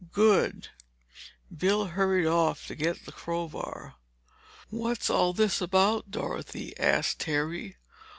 "Good!" Bill hurried off to get the crowbar. "What's all this about, Dorothy?" asked Terry.